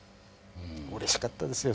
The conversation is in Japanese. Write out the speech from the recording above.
うれしかったですよ